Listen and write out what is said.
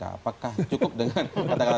apakah cukup dengan kata kata